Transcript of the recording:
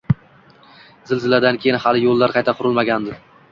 Zilziladan keyin hali yo’llar qayta qurilmagandi.